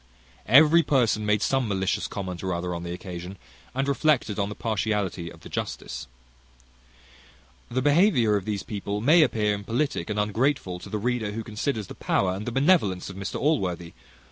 Every person made some malicious comment or other on the occasion, and reflected on the partiality of the justice. The behaviour of these people may appear impolitic and ungrateful to the reader, who considers the power and benevolence of Mr Allworthy.